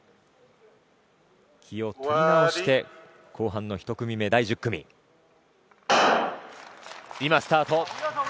気を取り直して後半の１組目第１０組、スタート。